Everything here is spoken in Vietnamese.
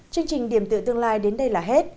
chương trình điểm tựa tương lai đến đây là hết